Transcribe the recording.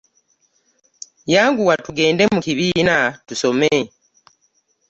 Yanguwa tugende mu kibiina tusome.